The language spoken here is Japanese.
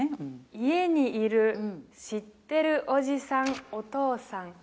「家にいる知ってるおじさんお父さん」